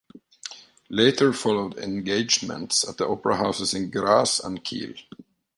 Later followed engagements at the opera houses in Graz and Kiel.